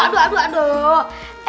aduh aduh aduh